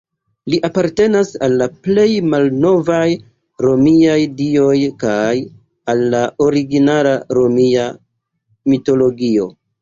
Li apartenas al la plej malnovaj romiaj dioj kaj al la origina romia mitologio.